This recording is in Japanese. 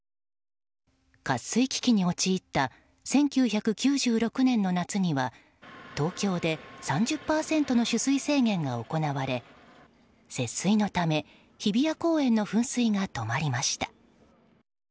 渇水危機に陥った１９９６年の夏には東京で３０％の取水制限が行われ節水のため日比谷公園の噴水が止まりました。